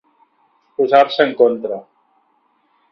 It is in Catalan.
Posar-se en contra.